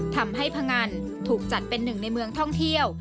พงันถูกจัดเป็นหนึ่งในเมืองท่องเที่ยว